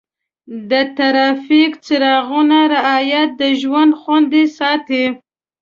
د ټرافیک څراغونو رعایت د ژوند خوندي ساتي.